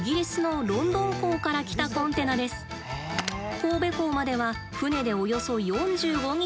これは神戸港までは船でおよそ４５日。